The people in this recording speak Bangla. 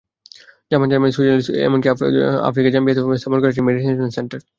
জাপান, জার্মানি, সুইজারল্যান্ড, সুইডেন এমনকি আফ্রিকার জাম্বিয়াতেও স্থাপন করেছেন মেডিটেশন সেন্টার।